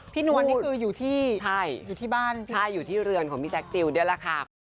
พี่นวลนี่คืออยู่ที่บ้านใช่อยู่ที่เรือนของพี่แจ๊คจิลด้วยล่ะค่ะ